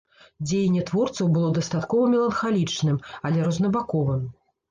Дзеянне творцаў было дастаткова меланхалічным, але рознабаковым.